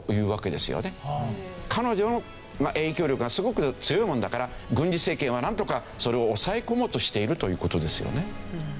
彼女の影響力がすごく強いものだから軍事政権はなんとかそれを抑え込もうとしているという事ですよね。